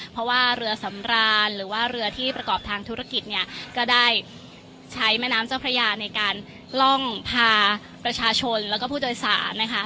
เพราะว่าเรือสำรานหรือว่าเรือที่ประกอบทางธุรกิจเนี่ยก็ได้ใช้แม่น้ำเจ้าพระยาในการล่องพาประชาชนแล้วก็ผู้โดยสารนะคะ